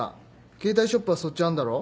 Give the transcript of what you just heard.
携帯ショップはそっちあんだろ？